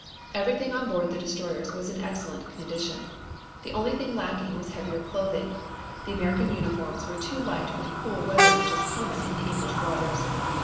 Everything on board the destroyers was in excellent condition. The only thing lacking was heavier clothing. The American uniforms were too light for the cool weather which is common in the English waters.